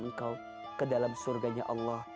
engkau ke dalam surganya allah